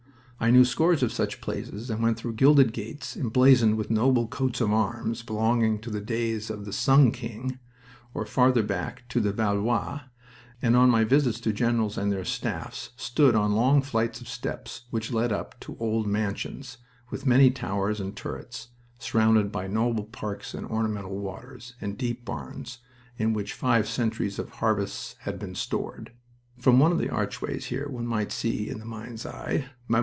I knew scores of such places, and went through gilded gates emblazoned with noble coats of arms belonging to the days of the Sun King, or farther back to the Valois, and on my visits to generals and their staffs stood on long flights of steps which led up to old mansions, with many towers and turrets, surrounded by noble parks and ornamental waters and deep barns in which five centuries of harvests had been stored. From one of the archways here one might see in the mind's eye Mme.